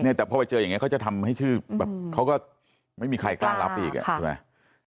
เนี่ยแต่พอไปเจออย่างงี้เขาจะทำให้ชื่อแบบเขาก็ไม่มีใครกล้ารับอีกเนี่ย